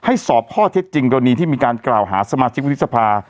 สอบข้อเท็จจริงกรณีที่มีการกล่าวหาสมาชิกวุฒิสภา